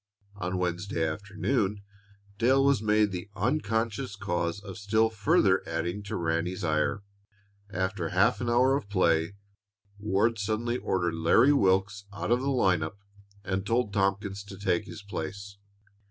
On Wednesday afternoon Dale was made the unconscious cause of still further adding to Ranny's ire. After half an hour of play, Ward suddenly ordered Larry Wilks out of the line up and told Tompkins to take his place.